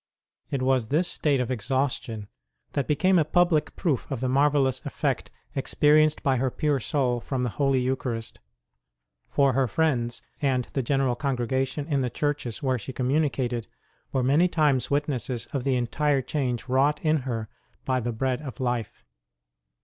It was this state of exhaustion that became a public proof of the marvellous effect experienced by her pure soul from the Holy Eucharist, for her friends and the general congregation in the churches where she communicated were many times wit nesses of the entire change wrought in her by the Bread of Life.